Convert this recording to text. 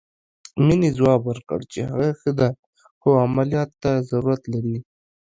مينې ځواب ورکړ چې هغه ښه ده خو عمليات ته ضرورت لري.